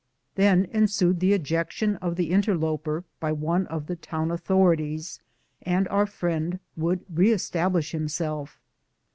Then ensued the ejection of the interloper by one of the town authori ties, and our friend would re establish himself.